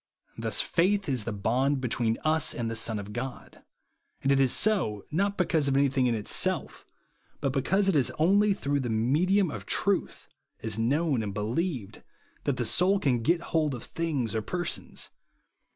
Thus faith is the bond between us and the Son of God ; and it is so, not because of anything in itself, but because it is only through the medium of truth, as known ^.nd believed, that the soul can get hold of things or persons.